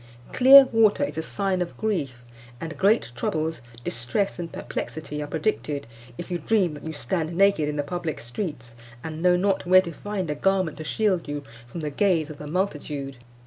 Clear water is a sign of grief; and great troubles, distress, and perplexity are predicted, if you dream that you stand naked in the public streets, and know not where to find a garment to shield you from the gaze of the multitude.